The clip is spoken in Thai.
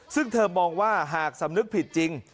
ซึ่งเธอมองว่าหากสำนึกผิดจริง